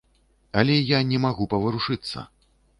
Але я не магу паварушыцца.